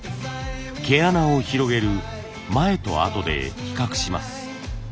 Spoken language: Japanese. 毛穴を広げる前とあとで比較します。